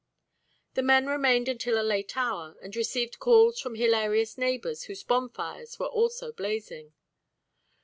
The men remained until a late hour, and received calls from hilarious neighbours whose bonfires were also blazing.